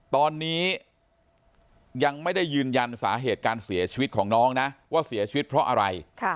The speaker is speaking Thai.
ตอนนี้ยังไม่ได้ยืนยันสาเหตุการเสียชีวิตของน้องนะว่าเสียชีวิตเพราะอะไร